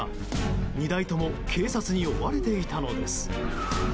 ２台とも警察に追われていたのです。